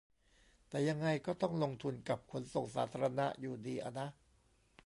แต่ยังไงก็ต้องลงทุนกับขนส่งสาธารณะอยู่ดีอะนะ